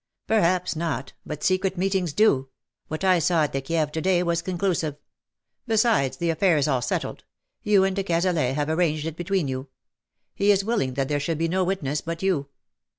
^' Perhaps not — but secret meetings do : what I saw at the Kieve to dav was conclusive. Besides, the affair is all settled — you and de Cazalet have arranged it between you. He is willing that there should be no witness but you.